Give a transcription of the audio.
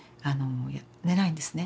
寝ないんですね。